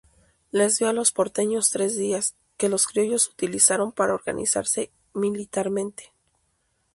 Les dio a los porteños tres días, que los criollos utilizaron para organizarse militarmente.